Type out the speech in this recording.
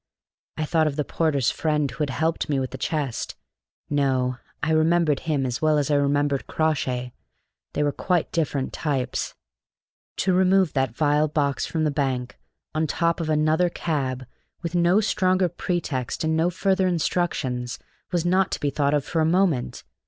I thought of the porter's friend who had helped me with the chest. No, I remember him as well as I remembered Crawshay; they were quite different types. To remove that vile box from the bank, on top of another cab, with no stronger pretext and no further instructions, was not to be thought of for a moment.